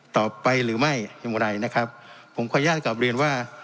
ต่อไปหรือไม่อย่างไรนะครับผมขออนุญาตกลับเรียนว่า